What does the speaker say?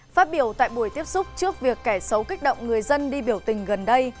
phát biểu tại buổi tiếp xúc trước việc kẻ xấu kích động người dân đi biểu tình gần đây